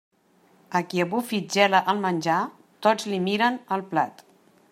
A qui a bufits gela el menjar, tots li miren el plat.